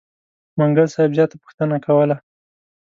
منګل صاحب زیاته پوښتنه کوله.